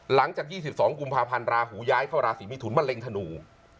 หลังจาก๒๒กุมภาพันธ์ราหูย้ายเข้าราศีมิถุนมะเร็งธนู